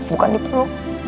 bukan di pulau